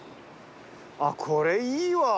あっこれいいわ。